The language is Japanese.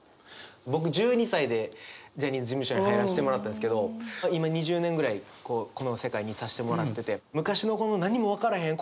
僕１２歳でジャニーズ事務所に入らしてもらったんですけど今２０年ぐらいこの世界にいさしてもらってて昔のこの何も分からへん。